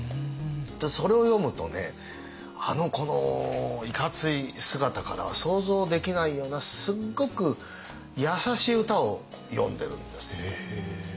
それを読むとねあのいかつい姿からは想像できないようなすっごく優しい歌を詠んでるんですよ。